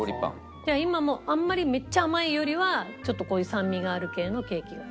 じゃあ今もあんまりめっちゃ甘いよりはちょっとこういう酸味がある系のケーキが。